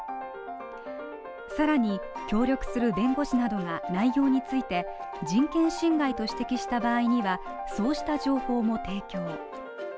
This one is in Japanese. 更に協力する弁護士などが内容について人権侵害と指摘した場合には、そうした情報も提供。